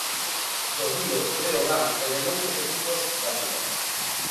Do Río Breogán e de moitos equipos da Liga.